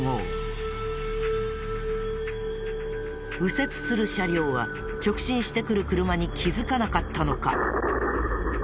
右折する車両は直進してくる車に気づかなかったのか？